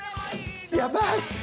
やばい。